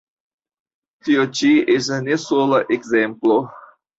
Tio ĉi estas ne sola ekzemplo.